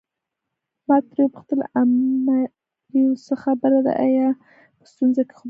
ما ترې وپوښتل امیلیو څه خبره ده آیا په ستونزه کې خو نه یې.